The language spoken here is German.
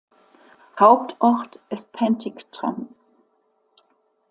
Hauptort ist Penticton.